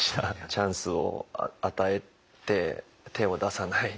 チャンスを与えて手を出さない。